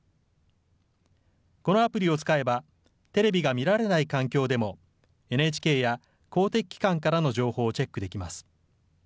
このアプリを使えばテレビが見られない環境でもＮＨＫや公的機関からの情報をチェックできます。